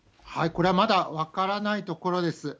これはまだ分からないところです。